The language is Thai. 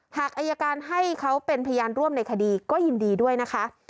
หากอายการให้เขาเป็นพยานร่วมในคดีก็ยินดีด้วยนะคะ